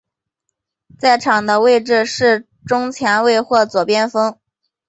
在场上的位置是中前卫或左边锋。